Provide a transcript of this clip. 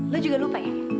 lo juga lupa ya